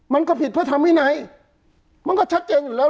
มันก็ผิดเพื่อทำวินัยมันก็ชัดเจนอยู่แล้ว